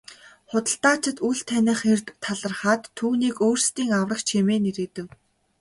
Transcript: Худалдаачид үл таних эрд талархаад түүнийг өөрсдийн аврагч хэмээн нэрийдэв.